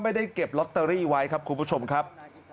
ไม่ได้เก็บลอตเตอรี่ไว้ครับคุณผู้ชมครับ